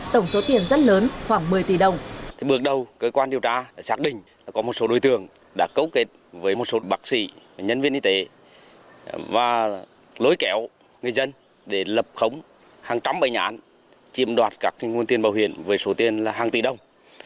tổng số tiền rất lớn khoảng một mươi tỷ đồng